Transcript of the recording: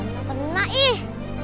kena kena ih